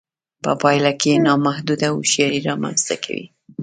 په پایله کې نامحدوده هوښیاري رامنځته کوي